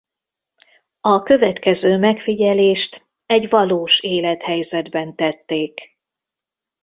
A következő megfigyelést egy valós élethelyzetben tették.